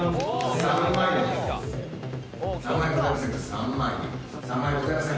３万円。